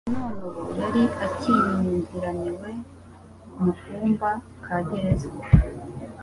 none ubu yari akingiraniwe mu kumba ka gereza.